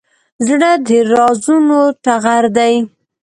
زړه د رازونو ټغر دی.